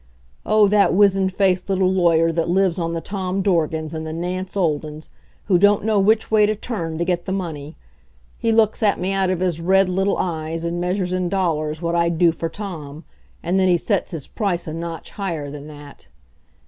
Oh, that wizen faced little lawyer that lives on the Tom Dorgans and the Nance Oldens, who don't know which way to turn to get the money! He looks at me out of his red little eyes and measures in dollars what I'd do for Tom. And then he sets his price a notch higher than that.